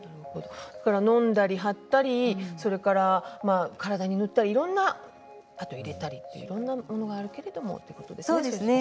のんだり貼ったり体に塗ったりあとは入れたりいろいろなものがあるけれどもっていうことですね。